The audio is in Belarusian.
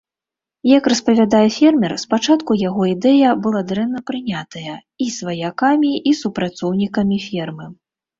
Як распавядае фермер, спачатку яго ідэя была дрэнна прынятая і сваякамі і супрацоўнікамі фермы.